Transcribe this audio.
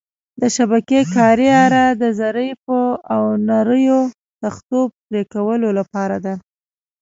د شبکې کارۍ اره د ظریفو او نریو تختو پرېکولو لپاره ده.